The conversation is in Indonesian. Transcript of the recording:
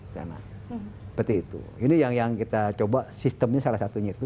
seperti itu ini yang kita coba sistemnya salah satunya itu